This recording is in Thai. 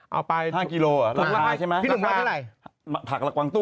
เอาไปพลักษัยใช่ไหมผลักคะ